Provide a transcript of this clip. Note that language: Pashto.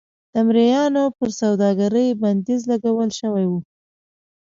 د مریانو پر سوداګرۍ بندیز لګول شوی و.